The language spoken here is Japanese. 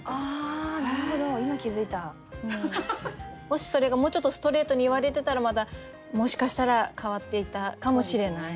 もしそれがもうちょっとストレートに言われてたらまたもしかしたら変わっていたかもしれない。